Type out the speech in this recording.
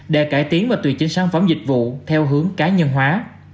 để cải tiến và tùy chỉnh sản phẩm dịch vụ theo hướng cá nhân hóa